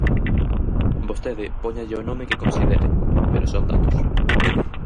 Vostede póñalle o nome que considere, pero son datos.